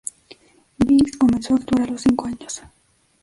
Biggs comenzó a actuar a los cinco años.